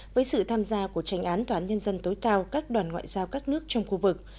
với sự tham gia của tranh án tòa án nhân dân tối cao các đoàn ngoại giao các nước trong khu vực